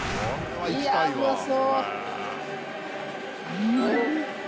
いやうまそ！